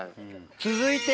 続いて。